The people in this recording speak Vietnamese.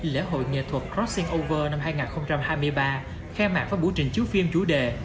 lễ hội nghệ thuật crossing over năm hai nghìn hai mươi ba khai mạc với buổi trình chiếu phim chủ đề